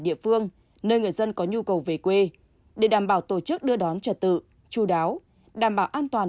địa phương nơi người dân có nhu cầu về quê để đảm bảo tổ chức đưa đón trả tự chú đáo đảm bảo an toàn